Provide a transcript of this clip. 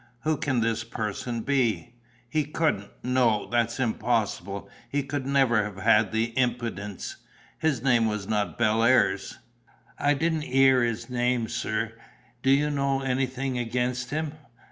Who can this person be? He couldn't no, that's impossible, he could never have had the impudence. His name was not Bellairs?" "I didn't 'ear the name, sir. Do you know anything against him?"